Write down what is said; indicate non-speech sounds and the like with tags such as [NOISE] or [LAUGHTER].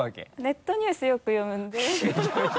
ネットニュースよく読むんで [LAUGHS]